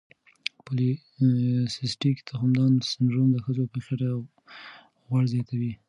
پولی سیسټیک تخمدان سنډروم د ښځو په خېټه غوړ زیاتوي.